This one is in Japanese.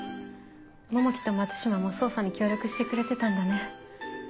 桃木と松島も捜査に協力してくれてたんだね。